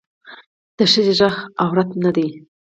د ښخي غږ عورت نه دی